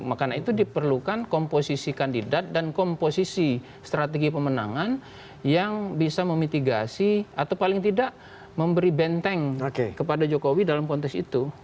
karena itu diperlukan komposisi kandidat dan komposisi strategi pemenangan yang bisa memitigasi atau paling tidak memberi benteng kepada jokowi dalam konteks itu